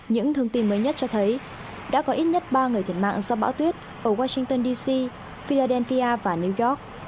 những thông tin mới nhất cho thấy đã có ít nhất ba người thiệt mạng do bão tuyết ở washington dc filadenphia và new york